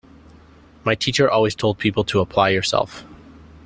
My teacher always told people to "apply yourself!".